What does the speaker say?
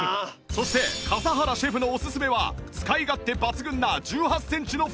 そして笠原シェフのおすすめは使い勝手抜群な１８センチのフライパン